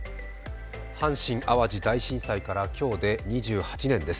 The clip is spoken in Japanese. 阪神・淡路大震災から今日で２８年です。